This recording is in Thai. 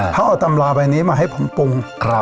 เขาเอาตำราใบนี้มาให้ผมปรุง